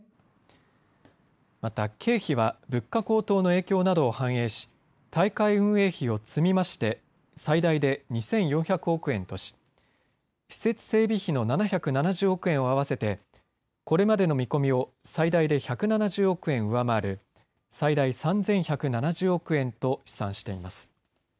また経費は物価高騰の影響などを反映し大会運営費を積み増して最大で２４００億円とし施設整備費の７７０億円を合わせてこれまでの見込みを最大で１７０億円上回る、最大３１７０億円と試算しています。